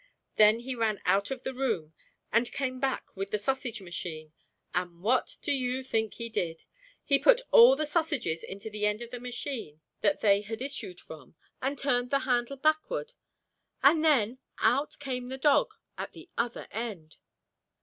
Then he ran out of the room and came back with the sausage machine; and what do you think he did? He put all the sausages into the end of the machine that they had issued from, and turned the handle backward, and then out came the dog at the other end!